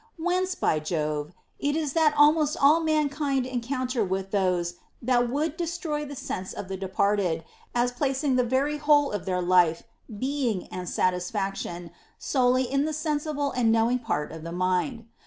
Whence, by Jove, it is that almost all mankind encounter with those that would destroy the sense of the departed, as placing the very whole of their life, being, and satisfaction solely in the sensible and knowing part of the mind.